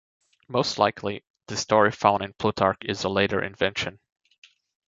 Most likely, the story found in Plutarch is a later invention.